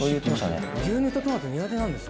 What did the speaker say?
牛乳とトマト苦手なんですよ。